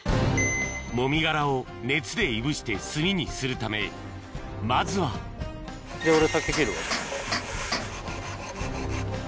もみ殻を熱でいぶして炭にするためまずは俺竹切るわ。